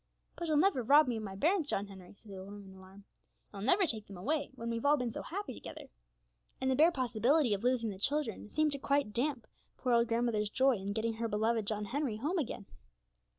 'But you'll never rob me of my bairns, John Henry,' said the old woman, in alarm; 'you'll never take them away, when we've all been so happy together!' And the bare possibility of losing the children seemed quite to damp poor old grandmother's joy in getting her beloved John Henry home again.